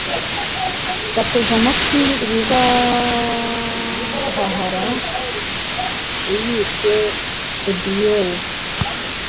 bateze amatwi ibihahara, uibye Odyeu,